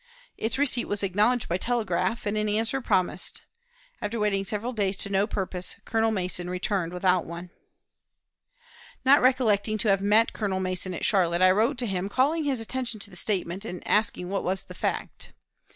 Its receipt was acknowledged by telegraph, and an answer promised. After waiting several days to no purpose. Colonel Mason returned without one." Not recollecting to have met Colonel Mason at Charlotte, I wrote to him, calling his attention to the statement, and asking what was the fact.